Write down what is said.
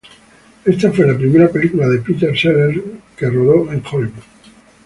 Esta fue la primera película que Peter Sellers rodó en Hollywood.